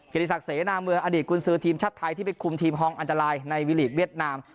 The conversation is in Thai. เกดี้ศักดิ์เสียแนะนำเมืองอดีตกุญซือทีมชัดไทยที่เป็นคุมทีมฮอร์งอันตรายในวิริกเวียตนาม